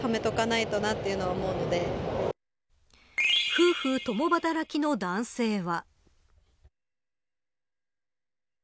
夫婦共働きの男性は。